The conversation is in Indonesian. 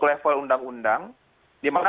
level undang undang dimana